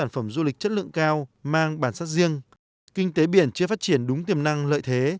phát triển đúng tiềm năng lợi thế